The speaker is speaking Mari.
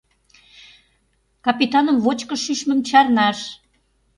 — Капитаным вочкыш шӱшмым чарнаш!